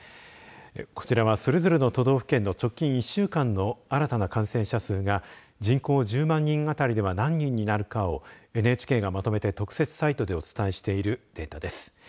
こちらはそれぞれの都道府県の直近１週間の新たな感染者数が人口１０万人あたりでは何人になるかをＮＨＫがまとめて特設サイトでお伝えしているデータです。